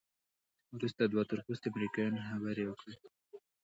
وروسته دوه تورپوستي امریکایان خبرې وکړې.